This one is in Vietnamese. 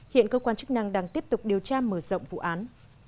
hiện cơ quan chức năng đang tiếp tục điều tra mở rộng vụ án